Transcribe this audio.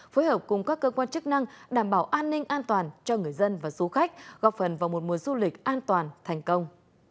phối hợp cùng các cơ quan chức năng đảm bảo an ninh an toàn cho người dân và du khách góp phần vào một mùa du lịch an toàn thành công